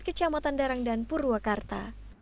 kecamatan darangdan purwakarta